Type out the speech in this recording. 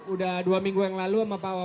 udah dua minggu yang lalu